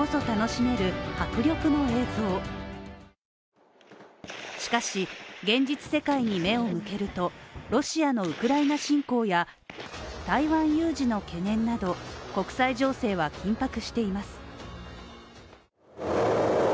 しかし、現実世界に目を向けると、ロシアのウクライナ侵攻や台湾有事の懸念など国際情勢は緊迫しています。